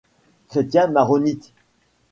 Chrétien maronite.